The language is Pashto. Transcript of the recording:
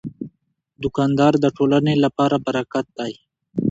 دوکاندار د ټولنې لپاره برکت دی.